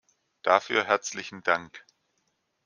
Dafür herzlichen Dank!